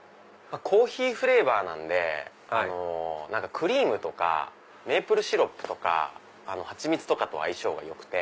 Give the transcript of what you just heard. コーヒーフレーバーなんでクリームとかメープルシロップ蜂蜜とかと相性がよくて。